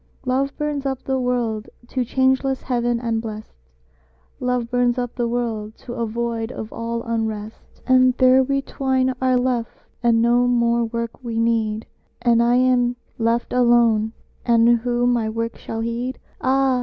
Love burns up the world to changeless heaven and blest, "Love burns up the world to a void of all unrest." And there we twain are left, and no more work we need: "And I am left alone, and who my work shall heed?" Ah!